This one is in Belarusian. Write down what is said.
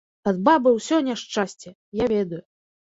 Ад бабы ўсё няшчасце, я ведаю.